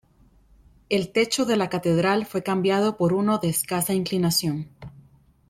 El techo de la catedral fue cambiado por uno de escasa inclinación.